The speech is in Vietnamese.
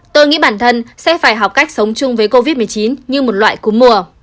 tôi nghĩ bản thân sẽ phải học cách sống chung với covid một mươi chín như một loại cúm mùa